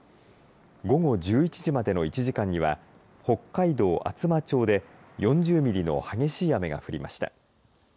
午後１１時までの１時間には北海道厚真町で４０ミリの激しい雨が降りました。